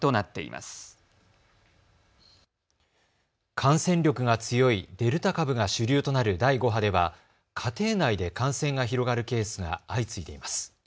感染力が強いデルタ株が主流となる第５波では家庭内で感染が広がるケースが相次いでいます。